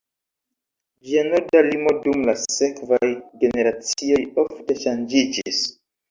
Ĝia norda limo dum la sekvaj generacioj ofte ŝanĝiĝis.